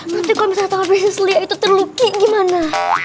nanti kalau misalnya tangan priscilia itu terluki gimana